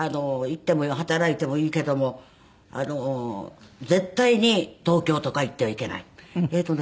行っても働いてもいいけども絶対に東京とか行ってはいけない。